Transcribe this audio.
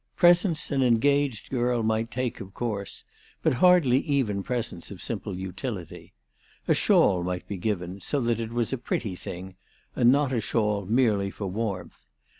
Presents an engaged girl might take of course, but hardly even presents of simple utility. A shawl might be given, so that it was a pretty thing and not a shawl merely for warmth.